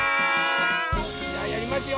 じゃあやりますよ！